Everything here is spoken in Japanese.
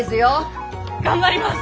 頑張ります！